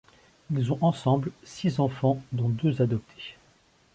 Ils ont ensemble six enfants, dont deux adoptés.